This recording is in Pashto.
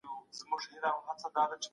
تخنیکي پرمختګ د تولید سرعت زیاتوي.